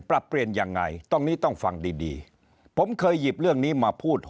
ปรับเปลี่ยนยังไงตรงนี้ต้องฟังดีดีผมเคยหยิบเรื่องนี้มาพูด